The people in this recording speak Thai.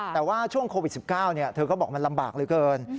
แต่ว่าช่วงโควิด๑๙เธอก็บอกมันลำบากเหลือเกิน